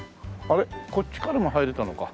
あっこっちからも入れたのか。